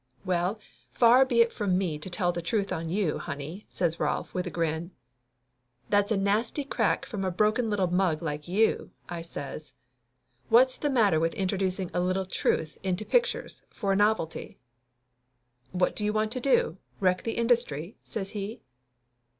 "Well, far be it from me to tell the truth on you, honey," says Rolf with a grin. "That's a nasty crack from a broken little mug like you!" I says. "What's the matter with introducing a little truth into pictures for a novelty?" "What do you want to do wreck the. industry?" says he.